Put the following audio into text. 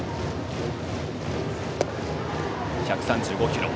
１３５キロ。